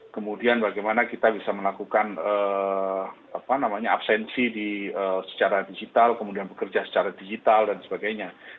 kemudian bagaimana kita bisa melakukan absensi secara digital kemudian bekerja secara digital dan sebagainya